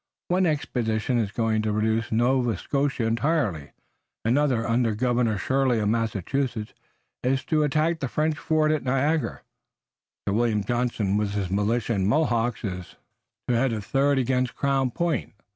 "One expedition is to reduce Nova Scotia entirely, another, under Governor Shirley of Massachusetts, is to attack the French at Fort Niagara, Sir William Johnson with militia and Mohawks is to head a third against Crown Point.